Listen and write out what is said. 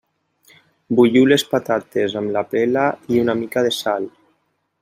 Bulliu les patates amb la pela i una mica de sal.